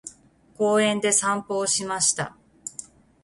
公園で散歩をしました。